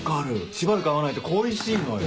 しばらく会わないと恋しいのよ。